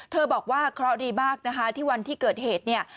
เธอบอกว่าเขาดีมากที่วันที่เกิดเหตุ